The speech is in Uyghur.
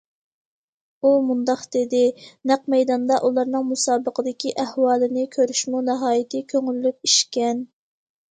ئۇ مۇنداق دېدى: نەق مەيداندا ئۇلارنىڭ مۇسابىقىدىكى ئەھۋالىنى كۆرۈشمۇ ناھايىتى كۆڭۈللۈك ئىشكەن.